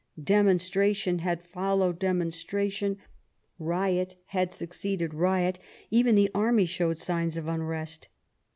Demonstration had followed demonstration; riot had succeeded riot; even the army showed signs of unrest.